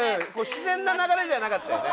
自然な流れではなかったよね。